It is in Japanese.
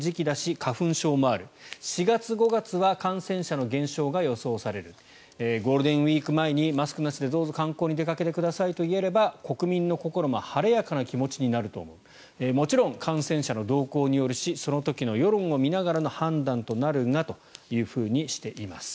花粉症もある４月、５月は感染者の減少が予想されるゴールデンウィーク前にマスクなしでどうぞ観光に出かけてくださいと言えれば国民の心も晴れやかな気持ちになると思うもちろん、感染者の動向によるしその時の世論を見ながらの判断となるがとしています。